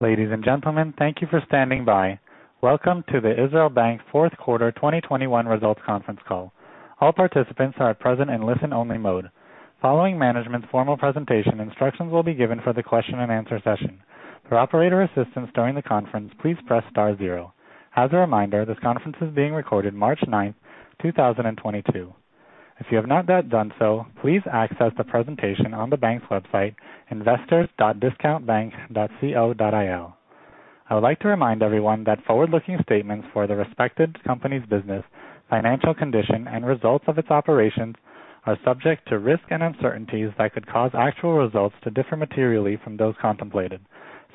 Ladies and gentlemen, thank you for standing by. Welcome to the Israel Discount Bank fourth quarter 2021 results conference call. All participants are present in listen-only mode. Following management's formal presentation, instructions will be given for the question-and-answer session. For operator assistance during the conference, please press star zero. As a reminder, this conference is being recorded March 9, 2022. If you have not yet done so, please access the presentation on the bank's website, investors.discountbank.co.il. I would like to remind everyone that forward-looking statements for the respective company's business, financial condition, and results of its operations are subject to risks and uncertainties that could cause actual results to differ materially from those contemplated.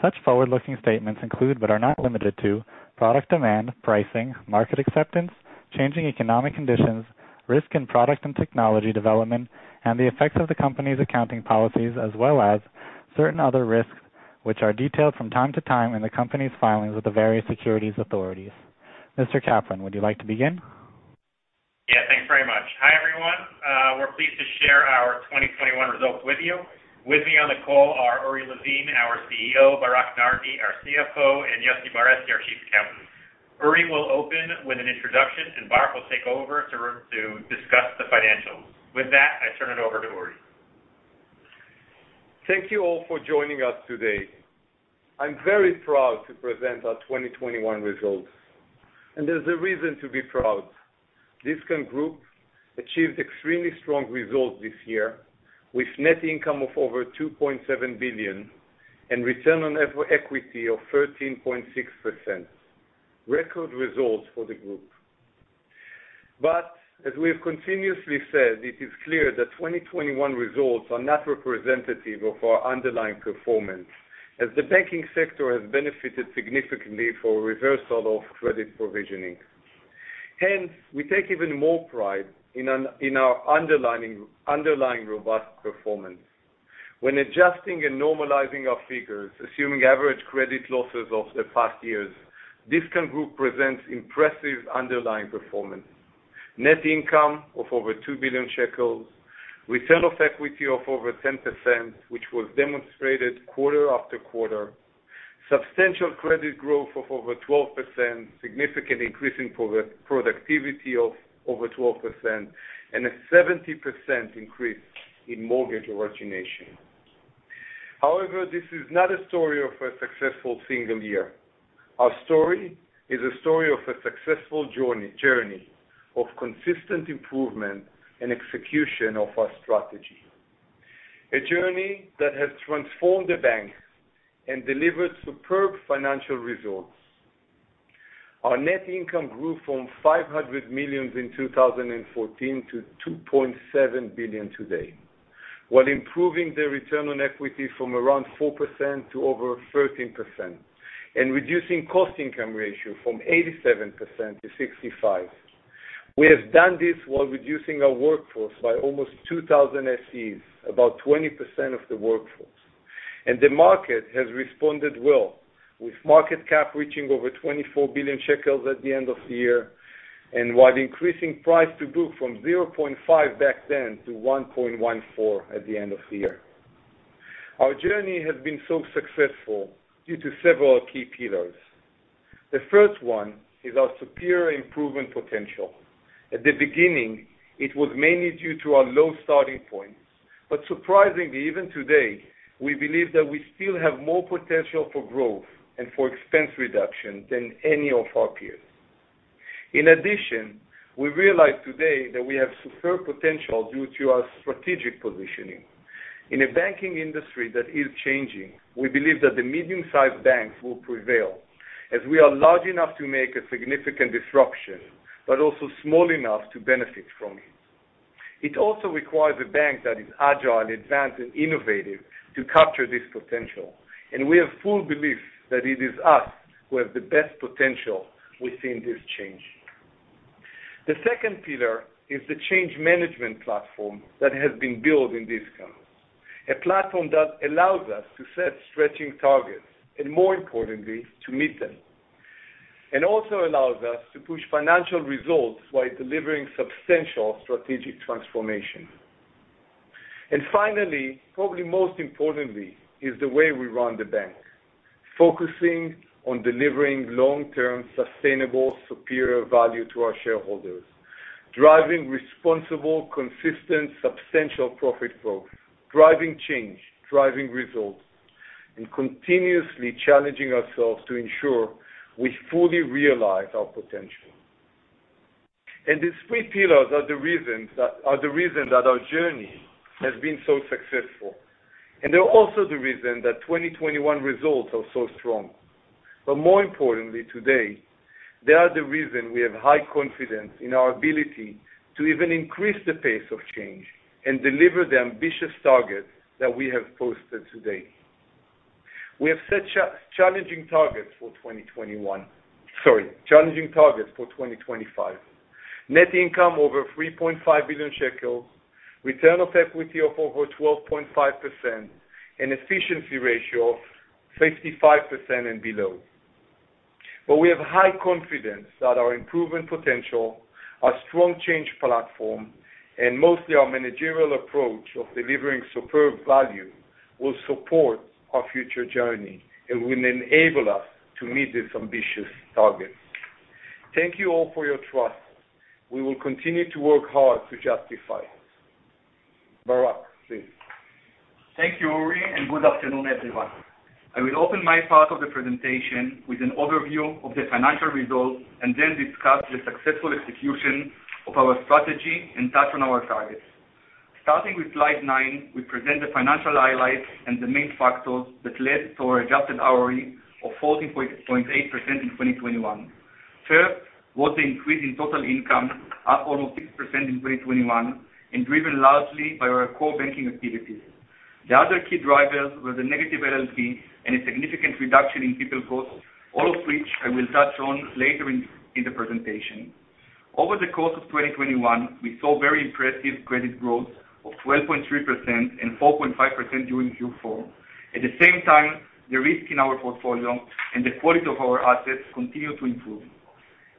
Such forward-looking statements include, but are not limited to product demand, pricing, market acceptance, changing economic conditions, risk and product and technology development, and the effects of the company's accounting policies, as well as certain other risks which are detailed from time to time in the company's filings with the various securities authorities. Mr. Kaplan, would you like to begin? Yeah, thanks very much. Hi, everyone. We're pleased to share our 2021 results with you. With me on the call are Uri Levin, our CEO, Barak Nardi, our CFO, and Yossi Beressi, our Chief Accountant. Uri will open with an introduction, and Barak will take over to discuss the financials. With that, I turn it over to Uri. Thank you all for joining us today. I'm very proud to present our 2021 results, and there's a reason to be proud. Discount Group achieved extremely strong results this year with net income of over 2.7 billion and return on equity of 13.6%. Record results for the group. As we have continuously said, it is clear that 2021 results are not representative of our underlying performance, as the banking sector has benefited significantly from reversal of credit provisioning. Hence, we take even more pride in our underlying robust performance. When adjusting and normalizing our figures, assuming average credit losses of the past years, Discount Group presents impressive underlying performance. Net income of over 2 billion shekels, return on equity of over 10%, which was demonstrated quarter after quarter, substantial credit growth of over 12%, significant increase in productivity of over 12%, and a 70% increase in mortgage origination. However, this is not a story of a successful single year. Our story is a story of a successful journey of consistent improvement and execution of our strategy. A journey that has transformed the bank and delivered superb financial results. Our net income grew from 500 million in 2014 to 2.7 billion today, while improving the return on equity from around 4% to over 13% and reducing cost-income ratio from 87% to 65%. We have done this while reducing our workforce by almost 2,000 FTEs, about 20% of the workforce. The market has responded well, with market cap reaching over 24 billion shekels at the end of the year, while increasing price-to-book from 0.5 back then to 1.14 at the end of the year. Our journey has been so successful due to several key pillars. The first one is our superior improvement potential. At the beginning, it was mainly due to our low starting point. Surprisingly, even today, we believe that we still have more potential for growth and for expense reduction than any of our peers. In addition, we realize today that we have superb potential due to our strategic positioning. In a banking industry that is changing, we believe that the medium-sized banks will prevail, as we are large enough to make a significant disruption but also small enough to benefit from it. It also requires a bank that is agile, advanced, and innovative to capture this potential, and we have full belief that it is us who have the best potential within this change. The second pillar is the change management platform that has been built in Discount. A platform that allows us to set stretching targets and, more importantly, to meet them. Also allows us to push financial results while delivering substantial strategic transformation. Finally, probably most importantly, is the way we run the bank, focusing on delivering long-term, sustainable, superior value to our shareholders, driving responsible, consistent, substantial profit growth, driving change, driving results, and continuously challenging ourselves to ensure we fully realize our potential. These three pillars are the reason that our journey has been so successful, and they're also the reason that 2021 results are so strong. More importantly, today, they are the reason we have high confidence in our ability to even increase the pace of change and deliver the ambitious targets that we have posted today. We have set challenging targets for 2021. Sorry, challenging targets for 2025. Net income over 3.5 billion shekels, return on equity of over 12.5%, and efficiency ratio of 65% and below. We have high confidence that our improvement potential, our strong change platform, and mostly our managerial approach of delivering superb value will support our future journey and will enable us to meet this ambitious target. Thank you all for your trust. We will continue to work hard to justify it. Barak, please. Thank you, Uri, and good afternoon, everyone. I will open my part of the presentation with an overview of the financial results, and then discuss the successful execution of our strategy and touch on our targets. Starting with slide 9, we present the financial highlights and the main factors that led to our adjusted ROE of 14.8% in 2021. First, was the increase in total income, up almost 6% in 2021 and driven largely by our core banking activities. The other key drivers were the negative LLP and a significant reduction in people cost, all of which I will touch on later in the presentation. Over the course of 2021, we saw very impressive credit growth of 12.3% and 4.5% during Q4. At the same time, the risk in our portfolio and the quality of our assets continued to improve.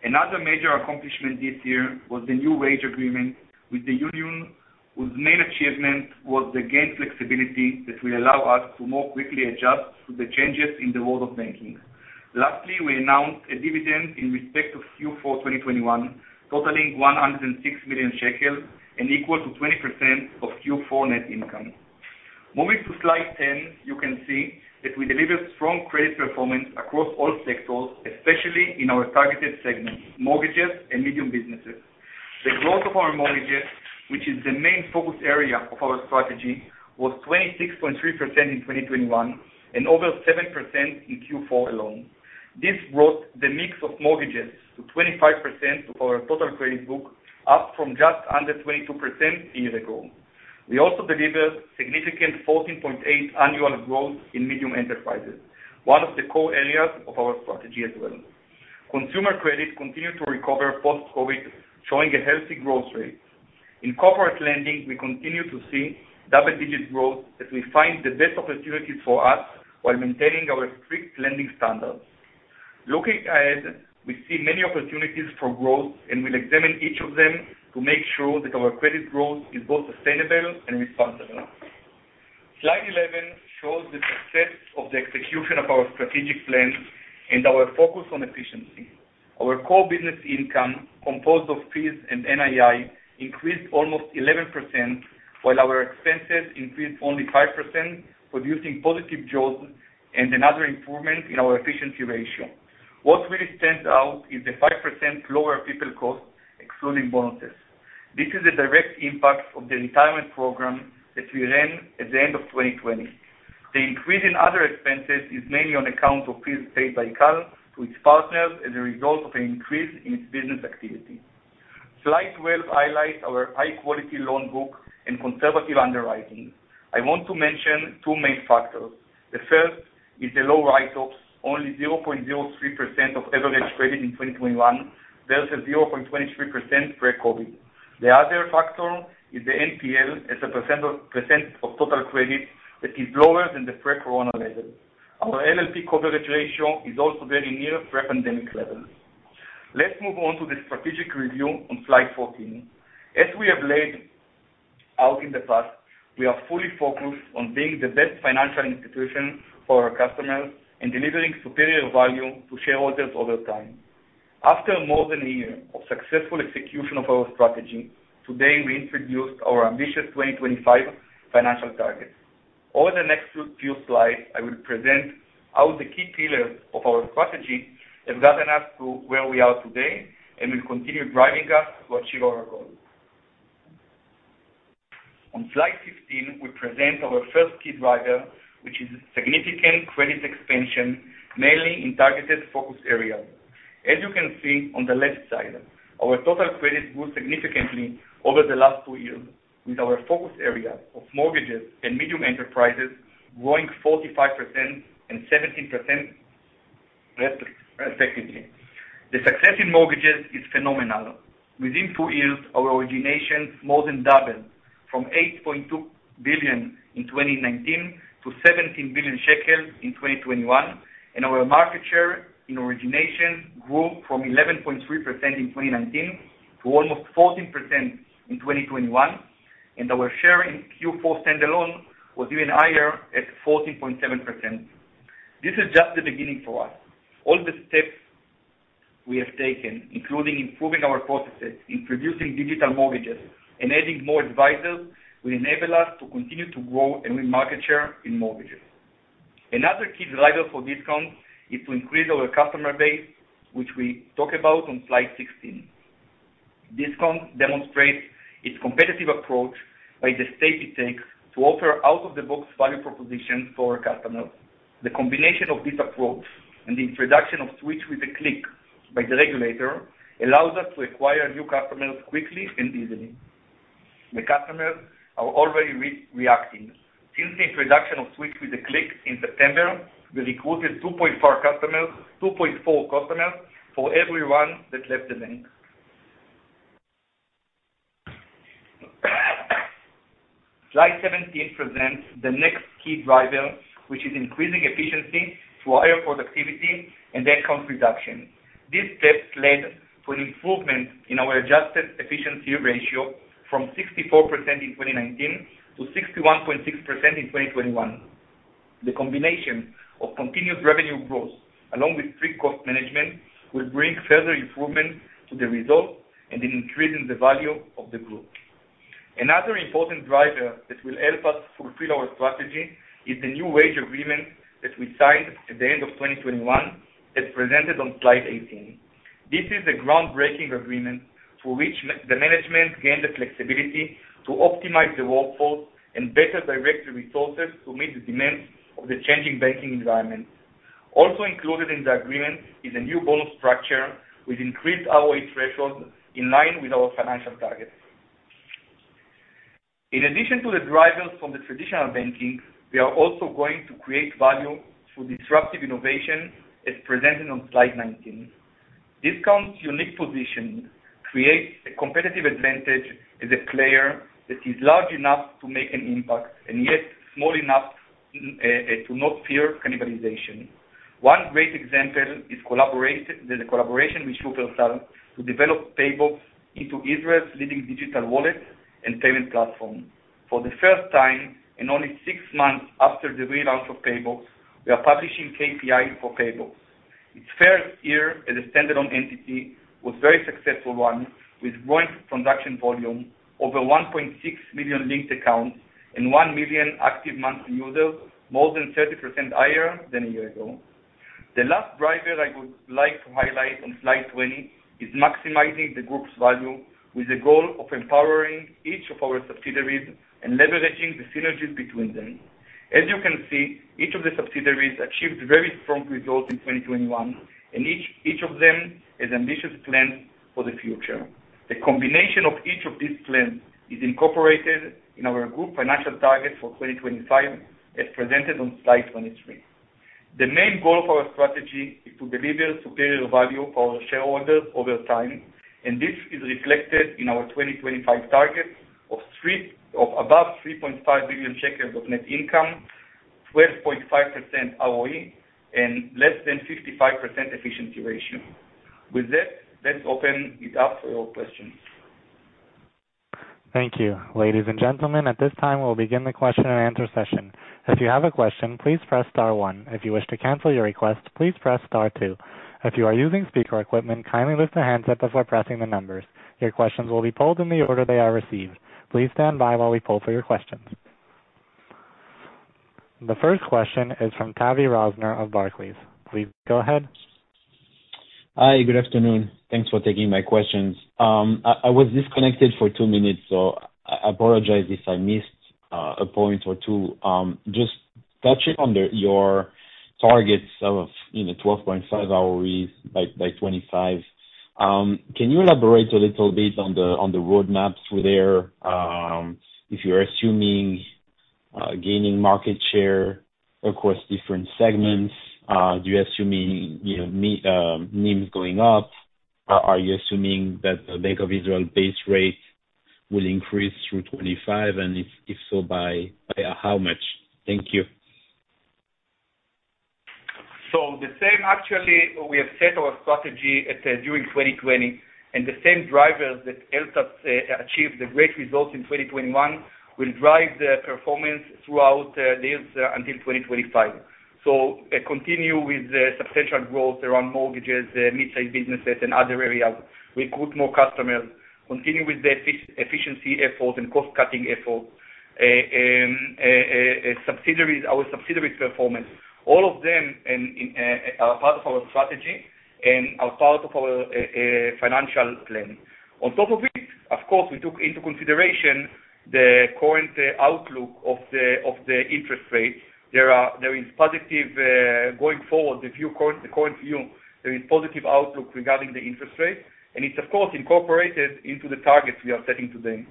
Another major accomplishment this year was the new wage agreement with the union, whose main achievement was gaining flexibility that will allow us to more quickly adjust to the changes in the world of banking. Lastly, we announced a dividend in respect of Q4 2021, totaling 106 million shekels and equal to 20% of Q4 net income. Moving to slide 10, you can see that we delivered strong credit performance across all sectors, especially in our targeted segments, mortgages and medium businesses. The growth of our mortgages, which is the main focus area of our strategy, was 26.3% in 2021 and over 7% in Q4 alone. This brought the mix of mortgages to 25% of our total credit book, up from just under 22% a year ago. We also delivered significant 14.8% annual growth in medium enterprises, one of the core areas of our strategy as well. Consumer credit continued to recover post-COVID, showing a healthy growth rate. In corporate lending, we continue to see double-digit growth as we find the best opportunities for us while maintaining our strict lending standards. Looking ahead, we see many opportunities for growth, and we'll examine each of them to make sure that our credit growth is both sustainable and responsible. Slide 11 shows the success of the execution of our strategic plan and our focus on efficiency. Our core business income, composed of fees and NII, increased almost 11%, while our expenses increased only 5%, producing positive jaws and another improvement in our efficiency ratio. What really stands out is the 5% lower people cost, excluding bonuses. This is a direct impact of the retirement program that we ran at the end of 2020. The increase in other expenses is mainly on account of fees paid by CAL to its partners as a result of an increase in its business activity. Slide 12 highlights our high-quality loan book and conservative underwriting. I want to mention two main factors. The first is the low write-offs, only 0.03% of average credit in 2021 versus 0.23% pre-COVID. The other factor is the NPL as a percent of total credit that is lower than the pre-corona level. Our LLP coverage ratio is also very near pre-pandemic levels. Let's move on to the strategic review on slide 14. As we have laid out in the past, we are fully focused on being the best financial institution for our customers and delivering superior value to shareholders over time. After more than a year of successful execution of our strategy, today we introduced our ambitious 2025 financial targets. Over the next few slides, I will present how the key pillars of our strategy have gotten us to where we are today and will continue driving us to achieve our goals. On slide 15, we present our first key driver, which is significant credit expansion, mainly in targeted focus areas. As you can see on the left side, our total credit grew significantly over the last two years, with our focus area of mortgages and medium enterprises growing 45% and 70% respectively. The success in mortgages is phenomenal. Within two years, our originations more than doubled from 8.2 billion in 2019 to 17 billion shekels in 2021, and our market share in origination grew from 11.3% in 2019 to almost 14% in 2021, and our share in Q4 stand-alone was even higher, at 14.7%. This is just the beginning for us. All the steps we have taken, including improving our processes, introducing digital mortgages, and adding more advisors, will enable us to continue to grow and win market share in mortgages. Another key driver for Discount is to increase our customer base, which we talk about on slide 16. Discount demonstrates its competitive approach by the steps it takes to offer out-of-the-box value propositions for our customers. The combination of this approach and the introduction of Switch with a Click by the regulator allows us to acquire new customers quickly and easily. The customers are already reacting. Since the introduction of Switch with a Click in September, we recruited 2.4 customers for every one that left the bank. Slide 17 presents the next key driver, which is increasing efficiency through higher productivity and then cost reduction. These steps led to an improvement in our adjusted efficiency ratio from 64% in 2019 to 61.6% in 2021. The combination of continuous revenue growth, along with strict cost management, will bring further improvement to the results and in increasing the value of the group. Another important driver that will help us fulfill our strategy is the new wage agreement that we signed at the end of 2021, as presented on slide 18. This is a groundbreaking agreement through which the management gained the flexibility to optimize the workforce and better direct the resources to meet the demands of the changing banking environment. Also included in the agreement is a new bonus structure with increased ROE thresholds in line with our financial targets. In addition to the drivers from the traditional banking, we are also going to create value through disruptive innovation, as presented on slide 19. Discount's unique position creates a competitive advantage as a player that is large enough to make an impact and yet small enough to not fear cannibalization. One great example is the collaboration with Shufersal to develop PayBox into Israel's leading digital wallet and payment platform. For the first time, in only six months after the relaunch of PayBox, we are publishing KPIs for PayBox. Its first year as a standalone entity was very successful one, with growing transaction volume over 1.6 million linked accounts and 1 million active monthly users, more than 30% higher than a year ago. The last driver I would like to highlight on slide 20 is maximizing the group's value with the goal of empowering each of our subsidiaries and leveraging the synergies between them. As you can see, each of the subsidiaries achieved very strong results in 2021, and each of them has ambitious plans for the future. The combination of each of these plans is incorporated in our group financial target for 2025, as presented on slide 23. The main goal of our strategy is to deliver superior value for our shareholders over time, and this is reflected in our 2025 target of above 3.5 billion shekels of net income, 12.5% ROE, and less than 55% efficiency ratio. With that, let's open it up for your questions. Thank you. Ladies and gentlemen, at this time, we'll begin the question-and-answer session. If you have a question, please press star one. If you wish to cancel your request, please press star two. If you are using speaker equipment, kindly lift the handset before pressing the numbers. Your questions will be polled in the order they are received. Please stand by while we poll for your questions. The first question is from Tavy Rosner of Barclays. Please go ahead. Hi, good afternoon. Thanks for taking my questions. I was disconnected for two minutes, so I apologize if I missed a point or two. Just touching on your targets of, you know, 12.5% ROEs by 2025, can you elaborate a little bit on the roadmap for there? If you're assuming gaining market share across different segments, do you assuming, you know, NIMs going up? Are you assuming that the Bank of Israel base rate will increase through 2025, and if so, by how much? Thank you. The same actually, we have set our strategy during 2020, and the same drivers that helped us achieve the great results in 2021 will drive the performance throughout this until 2025. Continue with the substantial growth around mortgages, midsize businesses and other areas. Recruit more customers. Continue with the efficiency efforts and cost-cutting efforts. Our subsidiaries' performance, all of them, are part of our strategy and are part of our financial plan. On top of it, of course, we took into consideration the current outlook of the interest rates. There is positive outlook going forward, the current view. There is positive outlook regarding the interest rates, and it's of course incorporated into the targets we are setting today.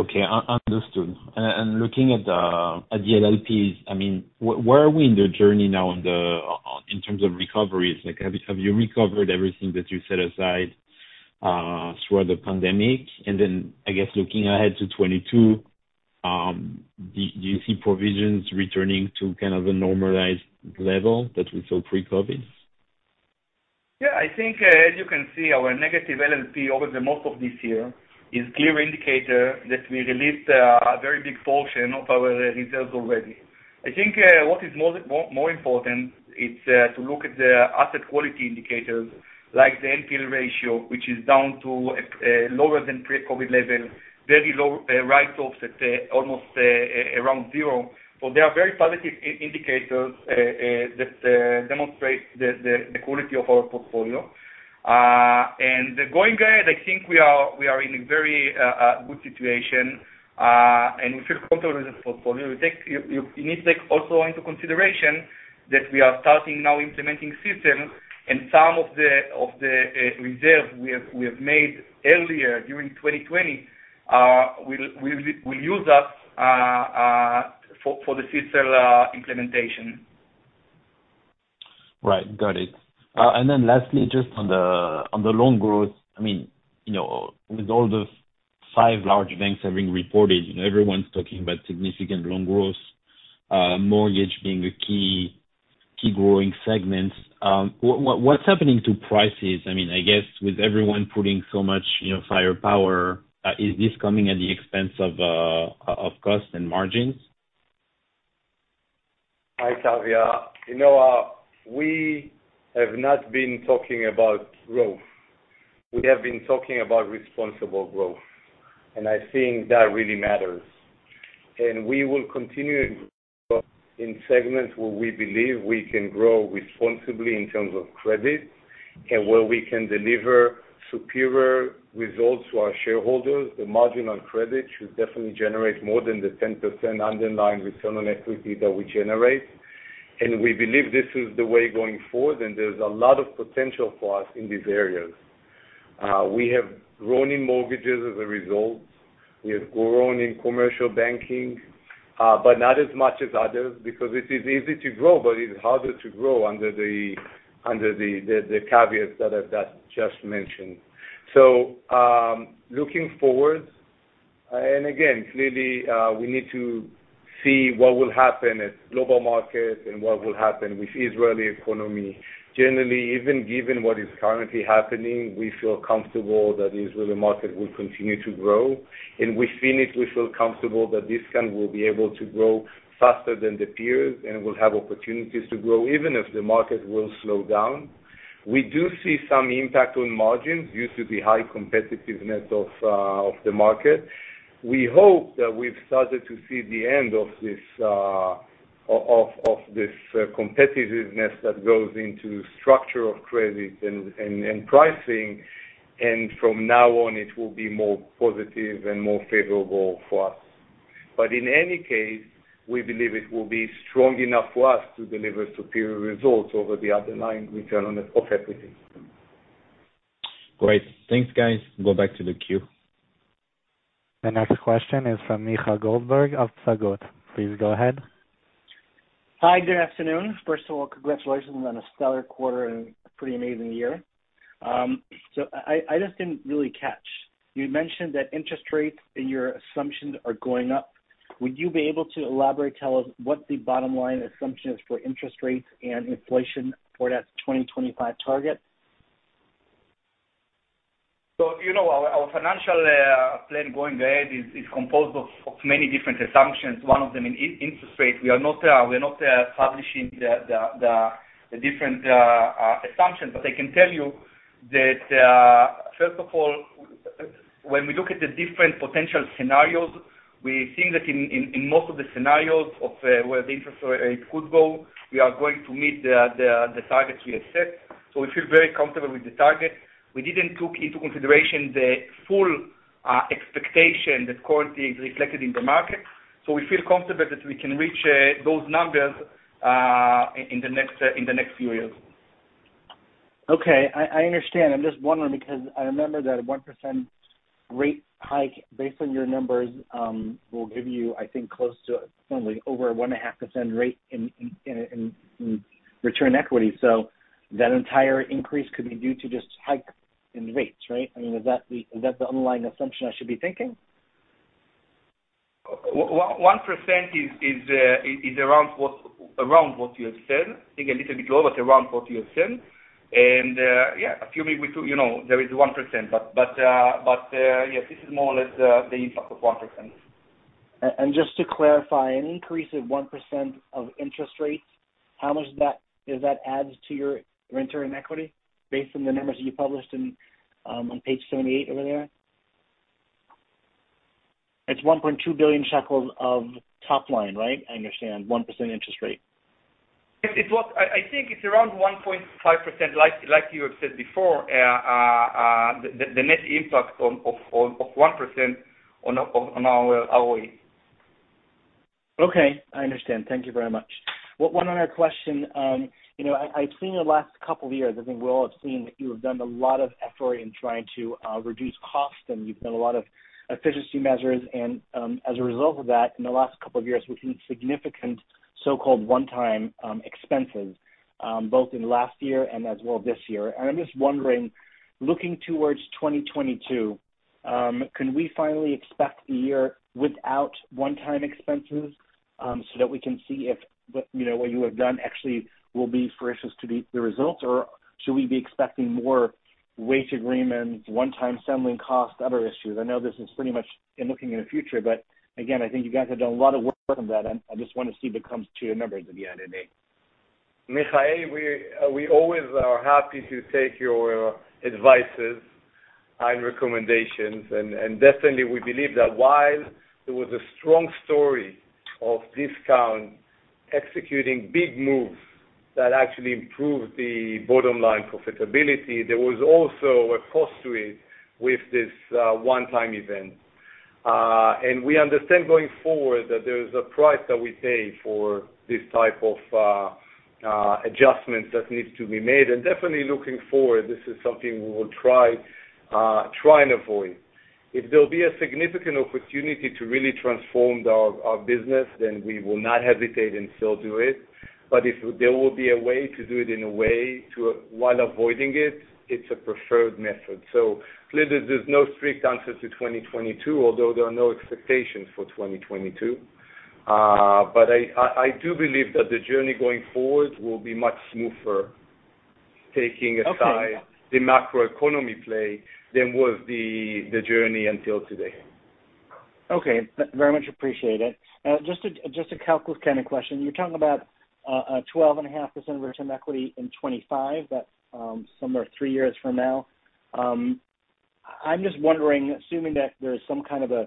Okay. Understood. Looking at the LLPs, I mean, where are we in the journey now in terms of recoveries? Like, have you recovered everything that you set aside throughout the pandemic? I guess looking ahead to 2022, do you see provisions returning to kind of a normalized level that we saw pre-COVID? Yeah. I think, as you can see, our negative LLP over most of this year is clear indicator that we released a very big portion of our reserves already. I think, what is more important it's to look at the asset quality indicators like the NPL ratio, which is down to lower than pre-COVID levels, very low write-offs at almost around zero. There are very positive indicators that demonstrate the quality of our portfolio. Going ahead, I think we are in a very good situation, and we feel comfortable with the portfolio. We take... You need to take also into consideration that we are starting now implementing systems and some of the reserves we have made earlier during 2020, we'll use that for the future implementation. Right. Got it. Lastly, just on the loan growth, I mean, you know, with all the five large banks having reported, you know, everyone's talking about significant loan growth, mortgage being a key growing segment. What's happening to prices? I mean, I guess with everyone putting so much, you know, firepower, is this coming at the expense of cost and margins? Hi, Tavy. You know, we have not been talking about growth. We have been talking about responsible growth, and I think that really matters. We will continue to grow in segments where we believe we can grow responsibly in terms of credit and where we can deliver superior results to our shareholders. The margin on credit should definitely generate more than the 10% underlying return on equity that we generate. We believe this is the way going forward, and there's a lot of potential for us in these areas. We have grown in mortgages as a result. We have grown in commercial banking, but not as much as others because it is easy to grow, but it's harder to grow under the caveats that I've just mentioned. Looking forward. Clearly, we need to see what will happen at global markets and what will happen with Israeli economy. Generally, even given what is currently happening, we feel comfortable that the Israeli market will continue to grow. Within it, we feel comfortable that Discount will be able to grow faster than the peers, and we'll have opportunities to grow even if the market will slow down. We do see some impact on margins due to the high competitiveness of the market. We hope that we've started to see the end of this competitiveness that goes into structure of credit and pricing, and from now on, it will be more positive and more favorable for us. In any case, we believe it will be strong enough for us to deliver superior results over the underlying return on equity. Great. Thanks, guys. Go back to the queue. The next question is from Micha Goldberg of Psagot. Please go ahead. Hi, good afternoon. First of all, congratulations on a stellar quarter and a pretty amazing year. I just didn't really catch. You mentioned that interest rates in your assumptions are going up. Would you be able to elaborate, tell us what the bottom line assumption is for interest rates and inflation for that 2025 target? You know, our financial plan going ahead is composed of many different assumptions. One of them is interest rates. We're not publishing the different assumptions. I can tell you that, first of all, when we look at the different potential scenarios, we think that in most of the scenarios of where the interest rate could go, we are going to meet the targets we have set. We feel very comfortable with the target. We didn't took into consideration the full expectation that currently is reflected in the market. We feel comfortable that we can reach those numbers in the next few years. Okay. I understand. I'm just wondering because I remember that 1% rate hike, based on your numbers, will give you, I think, close to certainly over 1.5% return on equity. That entire increase could be due to just hike in rates, right? I mean, is that the underlying assumption I should be thinking? 1% is around what you have said. I think a little bit lower, but around what you have said. Assuming we do, you know, there is 1%. Yes, this is more or less the impact of 1%. Just to clarify, an increase of 1% in interest rates, how much does that add to your return on equity based on the numbers you published on page 78 over there? It's 1.2 billion shekels of top line, right? I understand, 1% interest rate. I think it's around 1.5%, like you have said before, the net impact of 1% on our ROE. Okay, I understand. Thank you very much. One other question. You know, I've seen the last couple of years. I think we all have seen that you have done a lot of effort in trying to reduce costs, and you've done a lot of efficiency measures. As a result of that, in the last couple of years, we've seen significant so-called one-time expenses, both in last year and as well this year. I'm just wondering, looking towards 2022, can we finally expect a year without one-time expenses, so that we can see if, you know, what you have done actually will be fruition to the results? Or should we be expecting more wage agreements, one-time settling costs, other issues? I know this is pretty much looking into the future, but again, I think you guys have done a lot of work on that, and I just want to see if it comes to your numbers at the end of the day. Micha, we always are happy to take your advices and recommendations. Definitely we believe that while there was a strong story of Discount executing big moves that actually improved the bottom line profitability, there was also a cost to it with this one-time event. We understand going forward that there is a price that we pay for this type of adjustments that needs to be made. Definitely looking forward, this is something we will try and avoid. If there'll be a significant opportunity to really transform our business, then we will not hesitate and still do it. If there will be a way to do it while avoiding it's a preferred method. Clearly, there's no strict answer to 2022, although there are no expectations for 2022. I do believe that the journey going forward will be much smoother, taking aside the macroeconomic play than was the journey until today. Okay. Very much appreciate it. Just a calculus kind of question. You're talking about a 12.5% return on equity in 2025. That's somewhere three years from now. I'm just wondering, assuming that there's some kind of a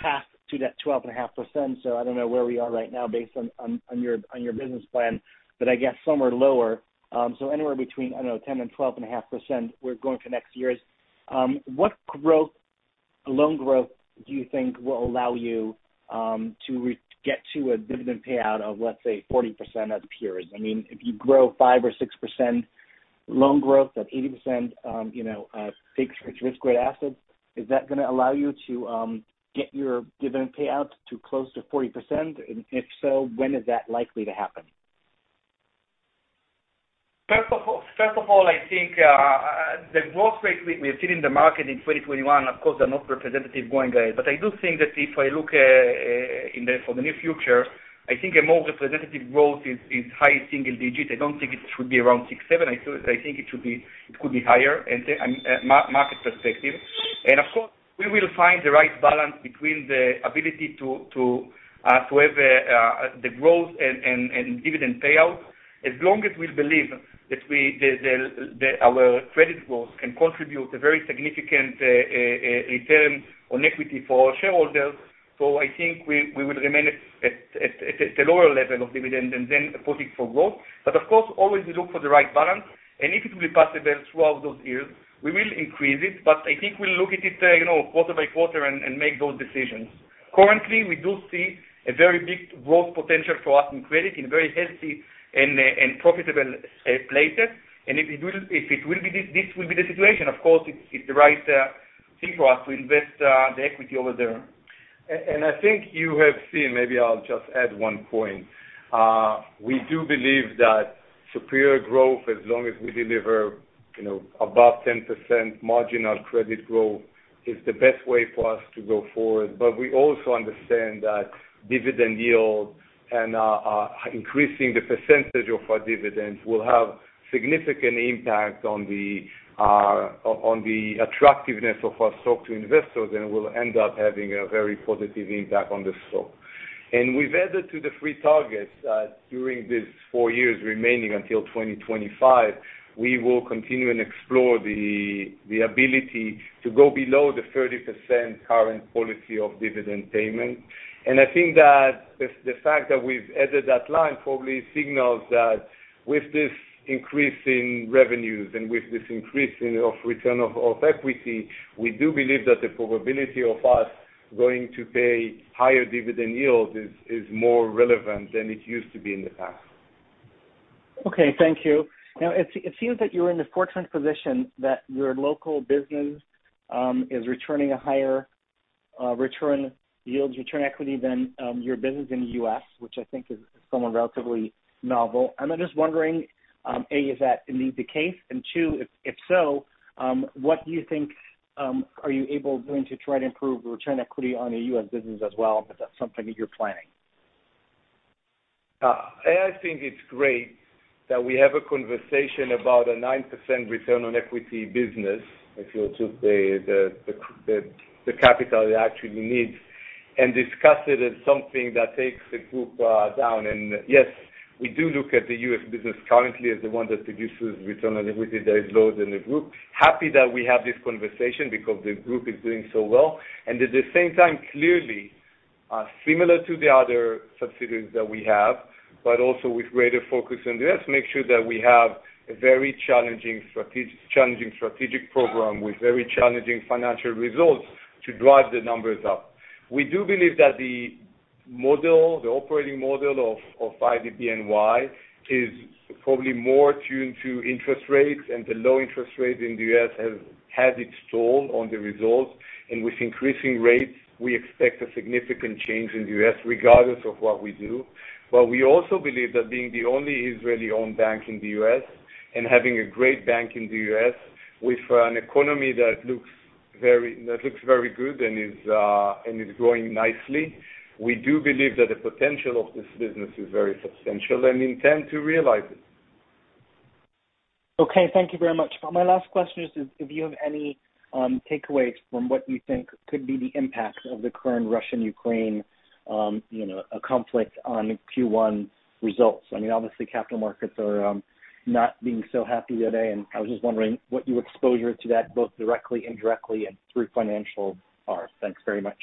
path to that 12.5%, so I don't know where we are right now based on your business plan, but I guess somewhere lower. So anywhere between, I don't know, 10%-12.5% we're going for next years. What growth, loan growth do you think will allow you to get to a dividend payout of, let's say, 40% of peers? I mean, if you grow 5%-6% loan growth at 80% risk-weighted assets, is that gonna allow you to get your dividend payout close to 40%? If so, when is that likely to happen? First of all, I think the growth rate we have seen in the market in 2021, of course, is not representative going forward. I do think that if I look for the near future, I think a more representative growth is high single digits. I don't think it should be around 6%-7%. I think it could be higher and market perspective. Of course, we will find the right balance between the ability to have the growth and dividend payout. As long as we believe that our credit growth can contribute a very significant return on equity for our shareholders. I think we will remain at a lower level of dividend and then put it for growth. Of course, always we look for the right balance. If it will be possible throughout those years, we will increase it. I think we'll look at it, you know, quarter by quarter and make those decisions. Currently, we do see a very big growth potential for us in credit, in very healthy and profitable places. If it will be this will be the situation, of course, it's the right thing for us to invest the equity over there. I think you have seen, maybe I'll just add one point. We do believe that superior growth, as long as we deliver, you know, above 10% marginal credit growth is the best way for us to go forward. We also understand that dividend yield and increasing the percentage of our dividends will have significant impact on the attractiveness of our stock to investors and will end up having a very positive impact on the stock. We've added to the three targets during these four years remaining until 2025, we will continue and explore the ability to go below the 30% current policy of dividend payment. I think that the fact that we've added that line probably signals that with this increase in revenues and with this increase in return on equity, we do believe that the probability of us going to pay higher dividend yields is more relevant than it used to be in the past. Okay. Thank you. Now, it seems that you're in the fortunate position that your local business is returning a higher return on equity than your business in the U.S., which I think is somewhat relatively novel. I'm just wondering, A, is that indeed the case? Two, if so, what do you think, are you going to try to improve return on equity on the U.S. business as well? Is that something that you're planning? I think it's great that we have a conversation about a 9% return on equity business, if you took the capital it actually needs, and discuss it as something that takes the group down. Yes, we do look at the U.S. business currently as the one that produces return on equity that is lower than the group. I'm happy that we have this conversation because the group is doing so well. At the same time, clearly, similar to the other subsidiaries that we have, but also with greater focus on the U.S., make sure that we have a very challenging strategic program with very challenging financial results to drive the numbers up. We do believe that the model, the operating model of IDB NY is probably more tuned to interest rates, and the low interest rates in the U.S. has had its toll on the results. With increasing rates, we expect a significant change in the U.S. regardless of what we do. We also believe that being the only Israeli-owned bank in the U.S. and having a great bank in the U.S. with an economy that looks very good and is growing nicely, we do believe that the potential of this business is very substantial and intend to realize it. Okay. Thank you very much. My last question is if you have any takeaways from what you think could be the impact of the current Russian-Ukraine, you know, conflict on Q1 results. I mean, obviously capital markets are not being so happy today, and I was just wondering what your exposure to that is, both directly, indirectly, and through financials. Thanks very much.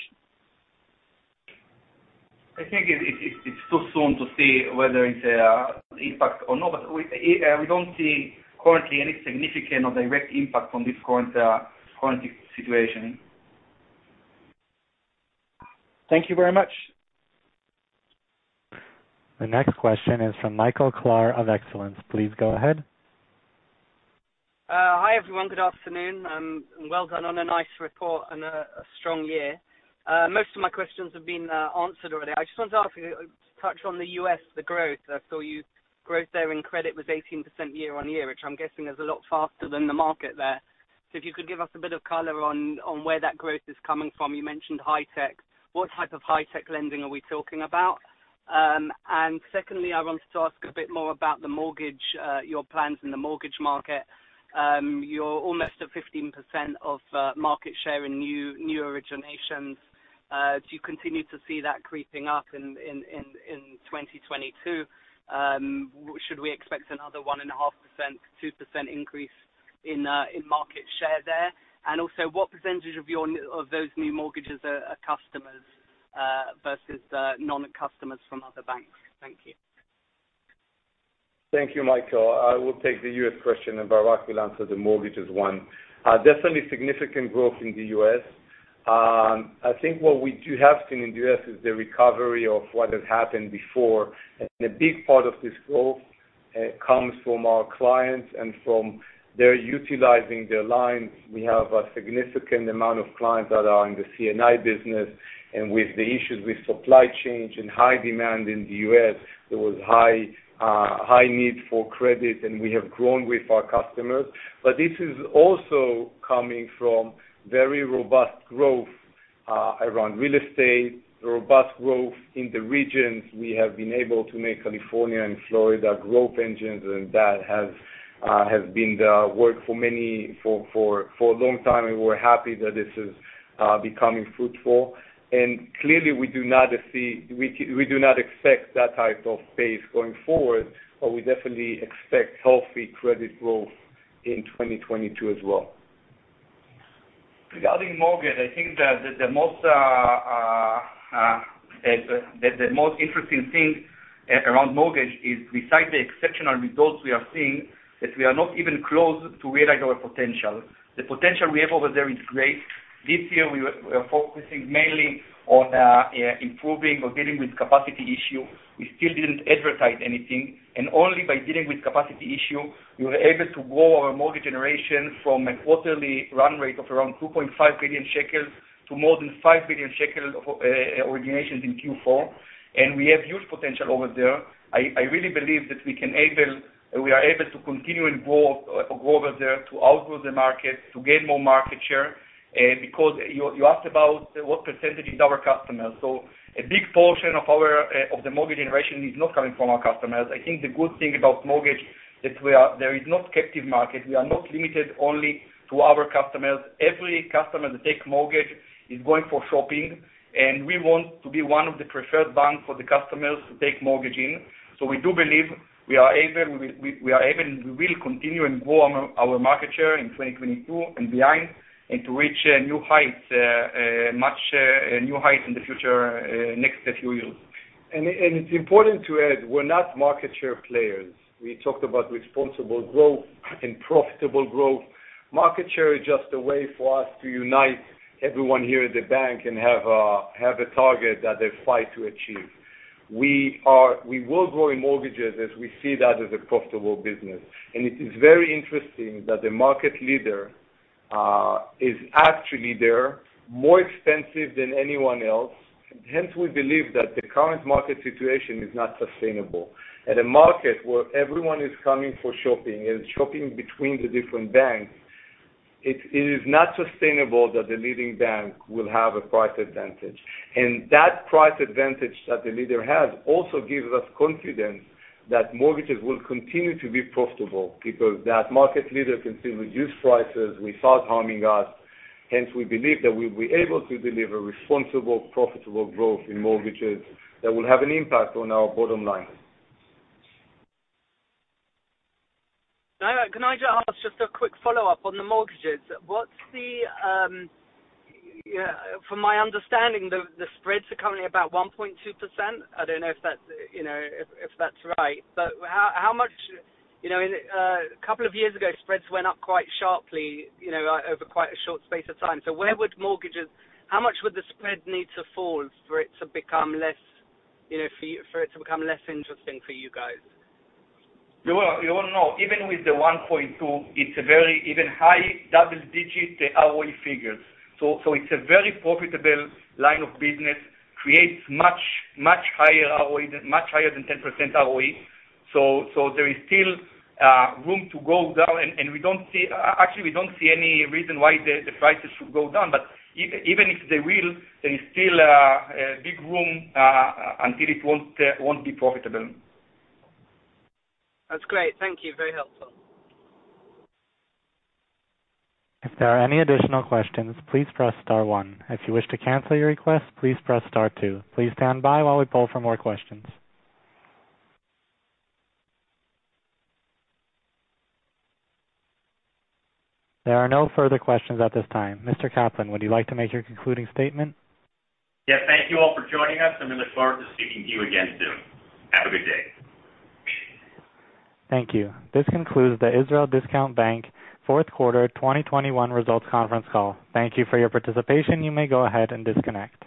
I think it's too soon to see whether it's impact or not, but we don't see currently any significant or direct impact on this current situation. Thank you very much. The next question is from Michael Klahr of Excellence. Please go ahead. Hi, everyone. Good afternoon, and well done on a nice report and a strong year. Most of my questions have been answered already. I just wanted to ask you to touch on the U.S. growth. I saw your growth there in credit was 18% year-over-year, which I'm guessing is a lot faster than the market there. If you could give us a bit of color on where that growth is coming from. You mentioned high-tech. What type of high-tech lending are we talking about? And secondly, I wanted to ask a bit more about the mortgage, your plans in the mortgage market. You're almost at 15% of market share in new originations. Do you continue to see that creeping up in 2022? Should we expect another 1.5%-2% increase in market share there? What percentage of those new mortgages are customers versus non-customers from other banks? Thank you. Thank you, Michael. I will take the U.S. question, and Barak will answer the mortgages one. Definitely significant growth in the U.S. I think what we do have seen in the U.S. is the recovery of what has happened before. A big part of this growth comes from our clients and from their utilizing their lines. We have a significant amount of clients that are in the C&I business, and with the issues with supply chains and high demand in the U.S., there was high need for credit, and we have grown with our customers. This is also coming from very robust growth around real estate, robust growth in the regions. We have been able to make California and Florida growth engines, and that has been the work for a long time, and we're happy that this is becoming fruitful. Clearly, we do not expect that type of pace going forward, but we definitely expect healthy credit growth in 2022 as well. Regarding mortgage, I think that the most interesting thing around mortgage is, besides the exceptional results we are seeing, that we are not even close to realize our potential. The potential we have over there is great. This year, we are focusing mainly on improving or dealing with capacity issues. We still didn't advertise anything, and only by dealing with capacity issues, we were able to grow our mortgage generation from a quarterly run rate of around 2.5 billion shekels to more than 5 billion shekels of originations in Q4. We have huge potential over there. I really believe that we are able to continue and grow over there, to outgrow the market, to gain more market share, because you asked about what percentage is our customers. A big portion of our mortgage generation is not coming from our customers. I think the good thing about mortgage is that there is no captive market. We are not limited only to our customers. Every customer that take a mortgage is going for shopping, and we want to be one of the preferred banks for the customers to take mortgage. We do believe we are able, and we will continue and grow our market share in 2022 and beyond, and to reach new heights in the future, next few years. It's important to add, we're not market share players. We talked about responsible growth and profitable growth. Market share is just a way for us to unite everyone here at the bank and have a target that they fight to achieve. We will grow in mortgages as we see that as a profitable business. It is very interesting that the market leader is actually there, more expensive than anyone else. Hence, we believe that the current market situation is not sustainable. At a market where everyone is coming for shopping and shopping between the different banks, it is not sustainable that the leading bank will have a price advantage. That price advantage that the leader has also gives us confidence that mortgages will continue to be profitable because that market leader can still reduce prices without harming us. Hence, we believe that we'll be able to deliver responsible, profitable growth in mortgages that will have an impact on our bottom line. Now, can I just ask a quick follow-up on the mortgages? From my understanding, the spreads are currently about 1.2%. I don't know if that's, you know, if that's right. You know, a couple of years ago, spreads went up quite sharply, you know, over quite a short space of time. How much would the spread need to fall for it to become less, you know, for it to become less interesting for you guys? You will know, even with the 1.2%, it's a very even high double digit ROE figures. It's a very profitable line of business, creates much higher ROE, much higher than 10% ROE. There is still room to go down, and actually, we don't see any reason why the prices should go down. Even if they will, there is still big room until it won't be profitable. That's great. Thank you. Very helpful. If there are any additional questions, please press star one. If you wish to cancel your request, please press star two. Please stand by while we poll for more questions. There are no further questions at this time. Mr. Kaplan, would you like to make your concluding statement? Yes. Thank you all for joining us, and we look forward to speaking to you again soon. Have a good day. Thank you. This concludes the Israel Discount Bank fourth quarter 2021 results conference call. Thank you for your participation. You may go ahead and disconnect.